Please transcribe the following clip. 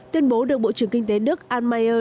tuyên bố được bộ trưởng kinh tế đức arnsmeier